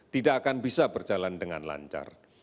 tidak akan bisa berjalan dengan lancar